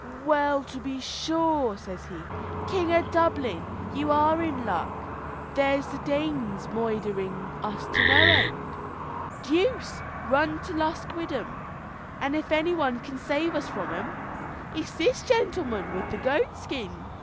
"Well, to be sure!" says he, "King of Dublin, you are in luck. There's the Danes moidhering us to no end. Deuce run to Lusk wid 'em! and if any one can save us from 'em, it is this gentleman with the goat skin.